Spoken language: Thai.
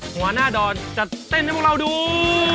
หัวหน้าดอนจะเต้นให้พวกเราดู